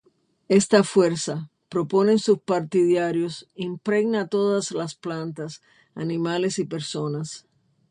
Esta fuerza, proponen sus partidarios, impregna a todas las plantas, animales y personas.